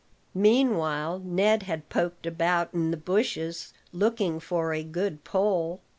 Meanwhile Ned had poked about in the bushes, looking for a good pole.